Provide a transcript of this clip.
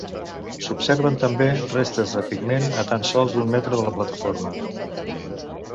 S'observen també restes de pigment a tan sols un metre de la plataforma.